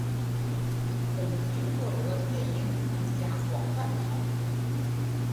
本剧获得电视影评家广泛的好评。